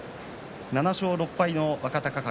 ７勝６敗の若隆景